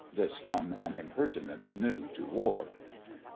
This from an impertinent, new to War.